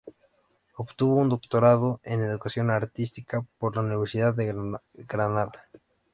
Obtuvo un doctorado en Educación Artística por la Universidad de Granada.